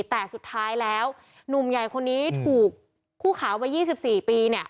แต่สุดท้ายแล้วหนุ่มใหญ่คนนี้ถูกคู่ขาววัย๒๔ปี